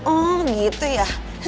oh gitu ya